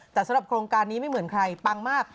แต่สำหรับโครงการนี้ไม่เหมือนใครปังมาก